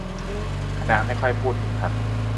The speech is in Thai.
คณะไม่ค่อยพูดถึงครับ